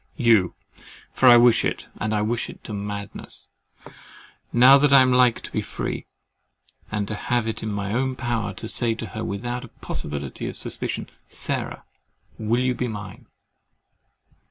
You—for I wish it and wish it to madness, now that I am like to be free, and to have it in my power to say to her without a possibility of suspicion, "Sarah, will you be mine?"